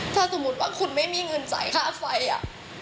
ถ้าสมมุติว่าคุณไม่มีเงินจ่ายค่าไฟอ่ะ